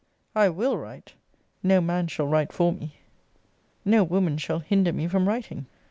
I WILL write! No man shall write for me.* No woman shall hinder me from writing.